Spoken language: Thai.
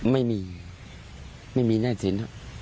ไม่มีไม่มีหนี้สิน